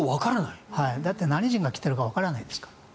だって、何人が着てるかわからないですから。